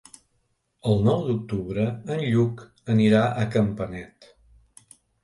El nou d'octubre en Lluc anirà a Campanet.